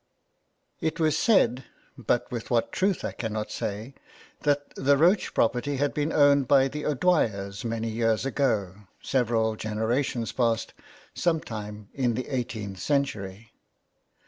It was said, but with what truth I cannot say, that the Roche property had been owned by the O'Dwycrs many years ago, several generations past, sometime in the eighteenth century.